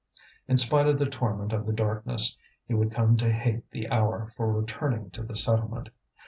In spite of the torment of the darkness, he would come to hate the hour for returning to the settlement.